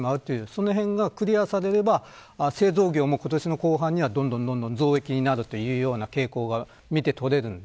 そのへんがクリアされれば製造業も今年後半にはどんどん増益になるというような傾向が見て取れます。